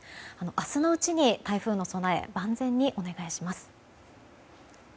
明日のうちに台風への備え万全にお願いします。